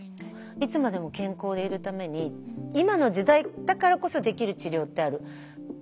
いつまでも健康でいるために今の時代だからこそできる治療ってある。